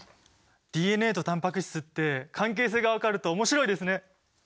ＤＮＡとタンパク質って関係性が分かると面白いですね！